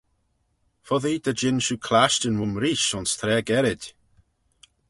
Foddee dy jean shiu clashtyn voym reesht ayns traa gerrid.